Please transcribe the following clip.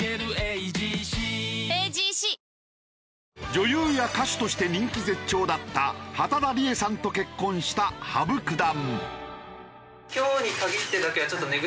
女優や歌手として人気絶頂だった畠田理恵さんと結婚した羽生九段。